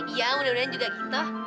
iya mudah mudahan juga gitu